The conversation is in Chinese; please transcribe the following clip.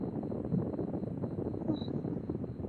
庙旁还有一个获薪传奖的傀儡戏团福龙轩。